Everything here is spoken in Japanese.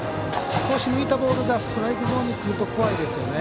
少し浮いたボールがストライクゾーンにくると怖いですよね。